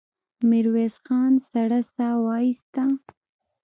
ميرويس خان سړه سا وايسته.